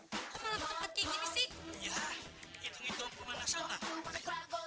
fatima dan adik adiknya yang nempati